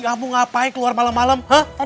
ini kok bau nya kek bau bau lalang banget ya